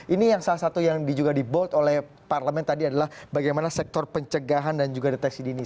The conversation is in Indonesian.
ini yang salah satu yang juga di bold oleh parlemen tadi adalah bagaimana sektor pencegahan dan juga deteksi dini